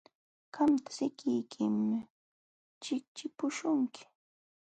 Qamta sikiykim chiqchipuśhunki.